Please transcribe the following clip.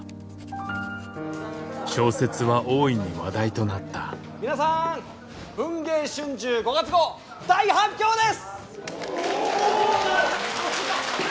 小説は大いに話題となった皆さん「文藝春秋」５月号大反響です！